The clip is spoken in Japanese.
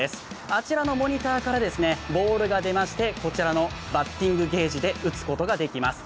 あちらのモニターからボールが出まして、こちらのバッティングゲージで打つことができます。